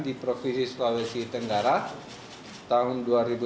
di provinsi sulawesi tenggara tahun dua ribu sembilan dua ribu empat belas